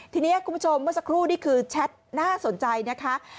ทีนี้คุณผู้ชมเมื่อสักครู่นี่คือแชทน่าสนใจนะคะ